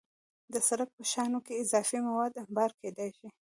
د سړک په شانو کې اضافي مواد انبار کېدای شي